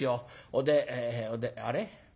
おでおでんあれ？